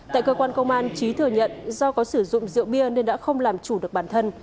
tại cơ quan công an trí thừa nhận do có sử dụng rượu bia nên đã không làm chủ được bản thân